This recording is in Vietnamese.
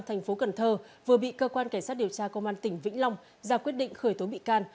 thành phố cần thơ vừa bị cơ quan cảnh sát điều tra công an tỉnh vĩnh long ra quyết định khởi tố bị can